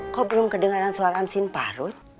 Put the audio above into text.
kok belum kedengaran suara amsin pak harut